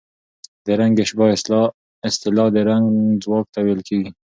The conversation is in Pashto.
د رنګ اشباع اصطلاح د رنګ ځواک ته ویل کېږي.